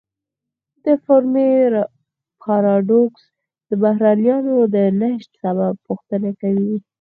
د فرمی پاراډوکس د بهرنیانو د نشت سبب پوښتنه کوي.